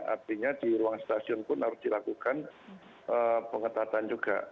artinya di ruang stasiun pun harus dilakukan pengetatan juga